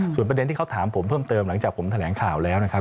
ส่วนประเด็นที่เขาถามผมเพิ่มเติมหลังจากผมแถลงข่าวแล้วนะครับ